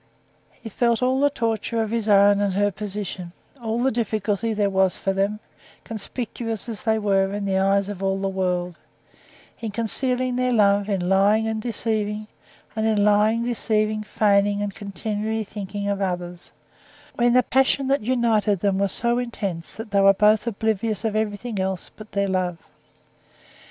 He felt all the torture of his own and her position, all the difficulty there was for them, conspicuous as they were in the eye of all the world, in concealing their love, in lying and deceiving; and in lying, deceiving, feigning, and continually thinking of others, when the passion that united them was so intense that they were both oblivious of everything else but their love.